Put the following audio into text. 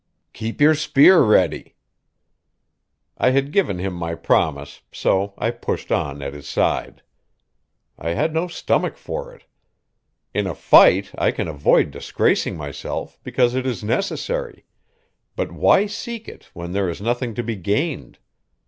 "Keep your spear ready." I had given him my promise, so I pushed on at his side. I had no stomach for it. In a fight I can avoid disgracing myself, because it is necessary; but why seek it when there is nothing to be gained?